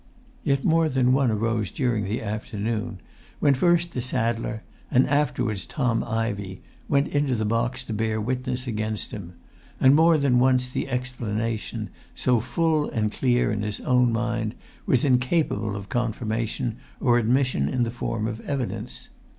Yet more than one arose during the afternoon, when first the saddler, and afterwards Tom Ivey, went into the box to bear witness against him; and more than once the explanation, so full and clear in his own mind, was incapable of confirmation or admission in the form of evidence.